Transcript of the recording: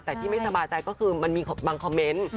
แต่ที่ไม่สบายใจก็คือมันมีบางคอมเมนต์